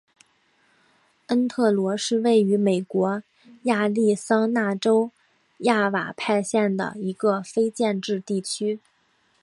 恩特罗是位于美国亚利桑那州亚瓦派县的一个非建制地区。